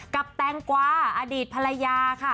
แตงกวาอดีตภรรยาค่ะ